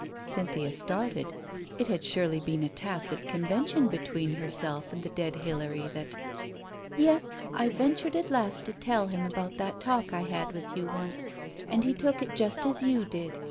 Cynthia started. It had surely been a tacit conven tion between herself and the dead Hilary, that — "Yes, I ventured at last to tell him about that talk I had with you once, and he took it just as you did.